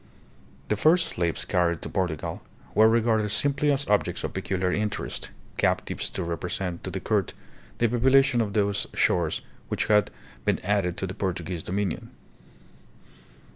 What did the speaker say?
The first slaves carried to Portugal were regarded simply as objects of peculiar interest, captives to repre sent to the court the population of those shores which had been added to the Portuguese dominion.